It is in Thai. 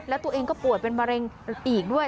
แล้วตัวเองก็ป่วยเป็นมะเร็งอีกด้วย